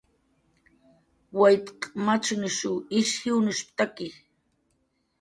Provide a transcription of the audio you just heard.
"Waytq machnushuw ish jiwnushp""taki"